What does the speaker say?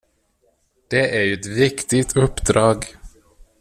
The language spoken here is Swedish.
Det är ju ett viktigt uppdrag.